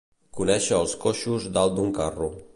Conèixer els coixos dalt d'un carro.